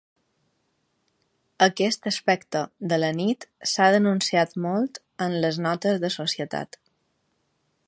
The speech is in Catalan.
Aquest aspecte de la nit s'ha denunciat molt en les notes de societat.